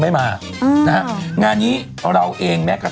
ไม่แค่นั้นยังมีเซ้นซ์เนี่ย